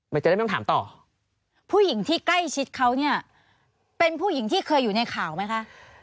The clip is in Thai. มันจะได้ไม่ต้องถามต่อผู้หญิงที่ใกล้ชิดเขาเนี่ยเป็นผู้หญิงที่เคยอยู่ในข่าวไหมคะ